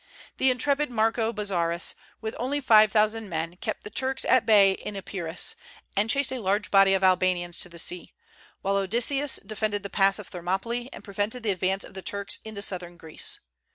The intrepid Marco Bozzaris, with only five thousand men, kept the Turks at bay in Epirus, and chased a large body of Albanians to the sea; while Odysseus defended the pass of Thermopylae, and prevented the advance of the Turks into Southern Greece.